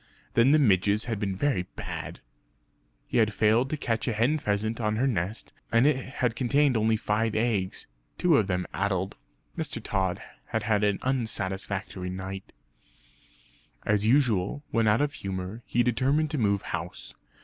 Then the midges had been very bad. And he had failed to catch a hen pheasant on her nest; and it had contained only five eggs, two of them addled. Mr. Tod had had an unsatisfactory night. As usual, when out of humour, he determined to move house.